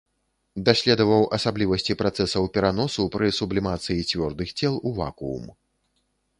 Даследаваў асаблівасці працэсаў пераносу пры сублімацыі цвёрдых цел у вакуум.